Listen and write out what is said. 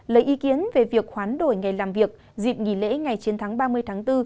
lấy ý kiến về việc khoán đổi ngày làm việc dịp nghỉ lễ ngày chín tháng ba mươi tháng bốn